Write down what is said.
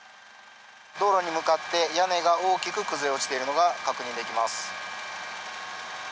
道路に向かって屋根が大きく崩れ落ちているのが確認できます。